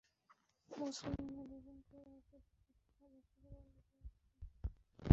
মুসলমানরা দু'জন কুরাইশ উপজাতির সদস্যকে বন্দী করেছিলেন।